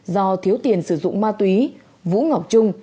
do thiếu tiền sử dụng ma túy vũ ngọc trung